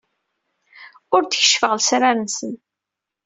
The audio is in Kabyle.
Ur d-keccfeɣ lesrar-nsen.